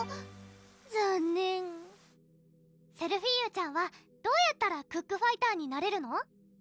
残念セルフィーユちゃんはどうやったらクックファイターになれるの？